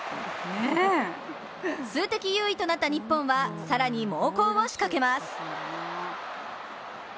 数的優位となった日本は更に猛攻を仕掛けます。